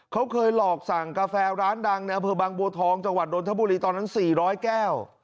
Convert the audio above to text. เขาเคยหลอกสั่งกาแฟร้านดังในอำเภอบางบัวทองจังหวัดนทบุรีตอนนั้น๔๐๐แก้ว